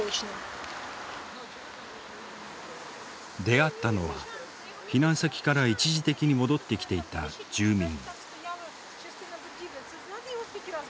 出会ったのは避難先から一時的に戻ってきていた住民。